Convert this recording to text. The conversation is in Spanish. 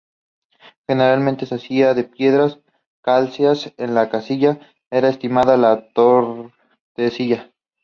Generalmente se hacían de piedra calcárea, en Castilla era estimada la de Tordesillas.